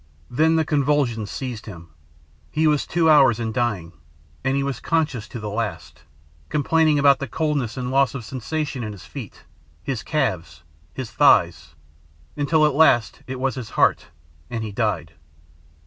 "Then the convulsions seized him. He was two hours in dying, and he was conscious to the last, complaining about the coldness and loss of sensation in his feet, his calves, his thighs, until at last it was his heart and he was dead.